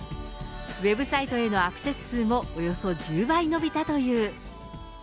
ウェブサイトへのアクセス数もおよそ１０倍伸びたという。